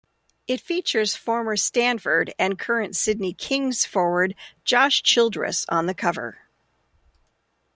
It features former Stanford and current Sydney Kings forward Josh Childress on the cover.